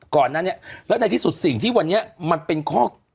ก่อนนั้นเนี่ยแล้วในที่สุดสิ่งที่วันนี้มันเป็นข้อ